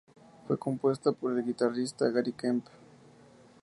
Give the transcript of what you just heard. Fue compuesta por el guitarrista Gary Kemp.